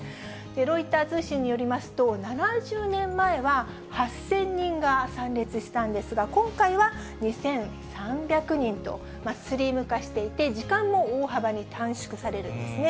ロイター通信によりますと、７０年前は８０００人が参列したんですが、今回は２３００人と、スリム化していて、時間も大幅に短縮されるんですね。